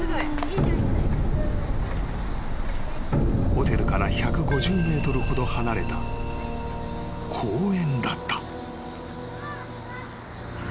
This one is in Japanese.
［ホテルから１５０ｍほど離れた公園だった］